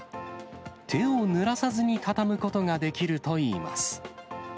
手をぬらさずに畳むことができるといいます。